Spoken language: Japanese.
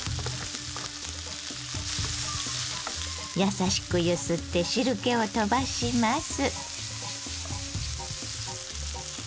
優しく揺すって汁けをとばします。